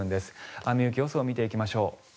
雨・雪予想を見ていきましょう。